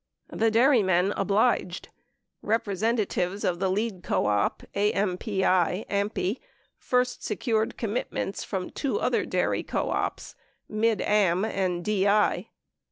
The dairymen obliged. Representatives of the lead co op, AMPI, first secured commitments from two other dairy co ops, Mid Am and DI.